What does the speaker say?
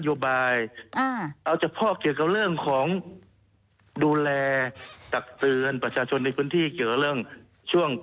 เพราะฉะนั้นที่มากับการพยายามให้รถหยุด